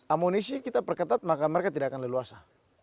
amunisi kita perketat maka mereka tidak akan leluasa